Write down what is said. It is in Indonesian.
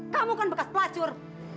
kamu kan bekas pelacur